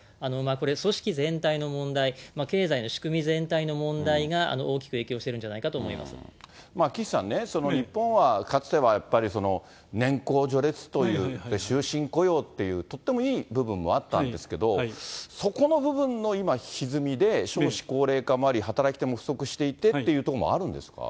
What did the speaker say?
これ、組織全体の問題、経済の仕組み全体の問題が大きく影響してるんじゃないかと思いま岸さんね、その日本は、かつてはやっぱり年功序列という、終身雇用っていう、とってもいい部分もあったんですけど、そこの部分の今、ひずみで、少子高齢化もあり、働き手も不足していてっていうところもあるんですか？